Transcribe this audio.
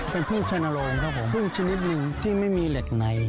เป็นพึ่งชัยนโรงครับผมพึ่งชนิดหนึ่งที่ไม่มีเหล็กใน